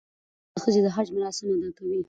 باسواده ښځې د حج مراسم ادا کوي.